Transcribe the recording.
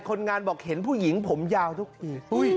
คนงานบอกเห็นผู้หญิงผมยาวทุกที